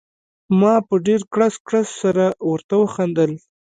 ما په ډېر کړس کړس سره ورته وخندل.